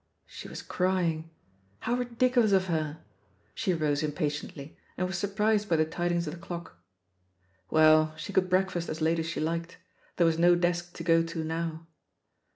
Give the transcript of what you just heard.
She was crying, how ridiculous of her! She rose impatiently, and was surprised by the tid ings of the clock. Well, she could breakfast as late as she liked — ^there was no desk to go to now.